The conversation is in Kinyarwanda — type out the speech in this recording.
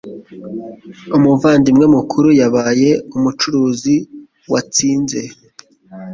Umuvandimwe mukuru yabaye umucuruzi watsinze.